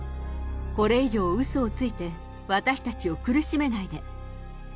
これ以上、うそをついて私たちを苦しめないで。